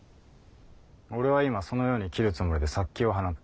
俺は今そのように斬るつもりで殺気を放った。